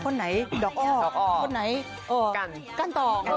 คนไหนดอกแก้วคนไหนกันกั้นต่อ